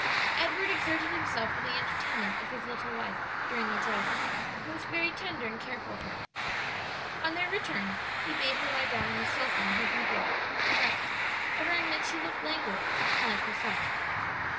Edward exerted himself for the entertainment of his little wife during their drive, and was very tender and careful of her. On their return, he bade her lie down on the sofa in her boudoir and rest, averring that she looked languid and unlike herself.